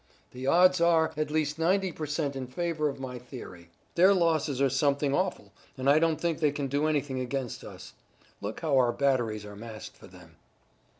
The odds are at least ninety per cent in favor of my theory. Their losses are something awful, and I don't think they can do anything against us. Look how our batteries are massed for them."